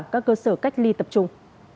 cơ sở cách ly tập trung